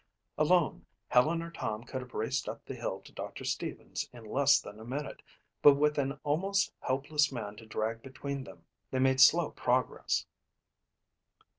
Alone, Helen or Tom could have raced up the hill to Doctor Stevens in less than a minute but with an almost helpless man to drag between them, they made slow progress.